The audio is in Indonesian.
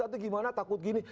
nanti gimana takut gini